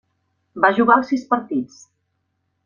Va jugar els sis partits.